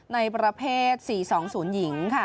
ในประเภทโดยการธุรกัมศูนย์หญิง